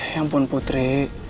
ya ampun putri